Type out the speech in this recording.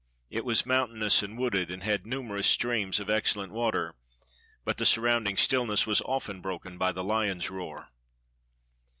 It was mountainous and wooded, and had numerous streams of excellent water; but the surrounding stillness was often broken by the lion's roar.